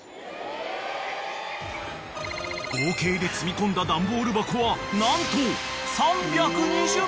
［合計で積み込んだ段ボール箱は何と３２０箱！］